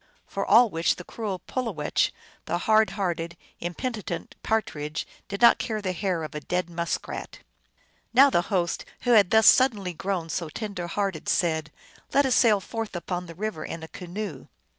" For all which the cruel Pulowech, the hard hearted, impenitent Partridge, did not care the hair of a dead musk rat. Now the host, who had thus suddenly grown so tender hearted, said, " Let us sail forth upon the river in a canoe."